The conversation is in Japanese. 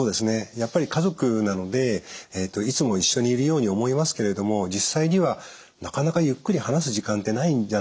やっぱり家族なのでいつも一緒にいるように思いますけれども実際にはなかなかゆっくり話す時間ってないんじゃないかと思うんです。